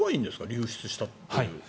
流出したという。